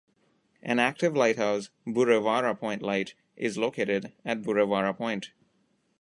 An active lighthouse, Burrewarra Point Light, is located at Burrewarra Point.